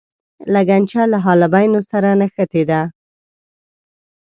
لګنچه له حالبینو سره نښتې ده.